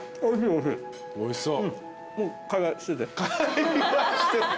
おいしそう。